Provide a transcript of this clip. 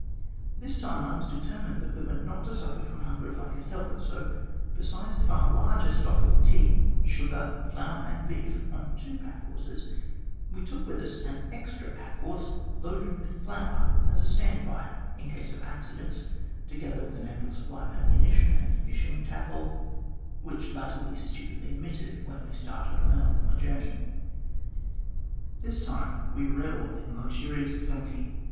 This time I was determined that we were not to suffer from hunger if I could help it, so, besides a far larger stock of tea, sugar, flour, and beef on two pack horses, we took with us an extra pack horse, loaded with flour as a stand by in case of accidents, together with an ample supply of ammunition and fishing tackle, which latter we stupidly omitted when starting on our former journey. This time we revelled in luxurious plenty.